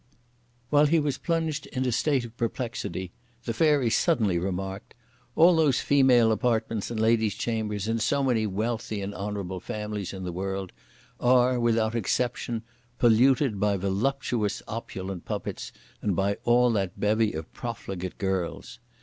While he was plunged in a state of perplexity, the Fairy suddenly remarked: "All those female apartments and ladies' chambers in so many wealthy and honourable families in the world are, without exception, polluted by voluptuous opulent puppets and by all that bevy of profligate girls.